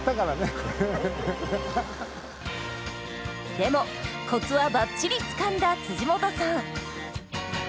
でもコツはばっちりつかんだ本さん。